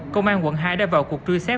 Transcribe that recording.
công an quận hai đã vào cuộc trưa xét